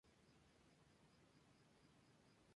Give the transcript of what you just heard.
Son perennes, con hojas pequeñas y a menudo vellosas.